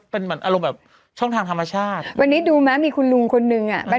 เป็นเหมือนอารมณ์แบบช่องทางธรรมชาติวันนี้ดูไหมมีคุณลุงคนนึงอ่ะ